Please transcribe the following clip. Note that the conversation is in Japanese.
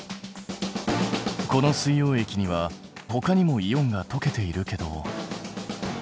この水溶液にはほかにもイオンが溶けているけど。